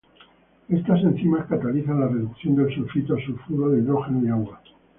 Estas enzimas catalizan la reducción del sulfito a sulfuro de hidrógeno y agua.